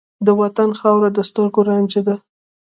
د وطن خاوره د سترګو رانجه ده.